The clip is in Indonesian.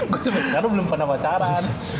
gue sampe sekarang belum pernah pacaran